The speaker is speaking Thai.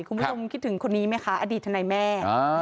คุณผู้ชมคิดถึงคนนี้ไหมคะอดีตทนายแม่